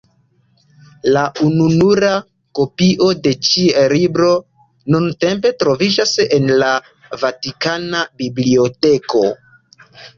La ununura kopio de ĉi libro nuntempe troviĝas en la Vatikana Biblioteko.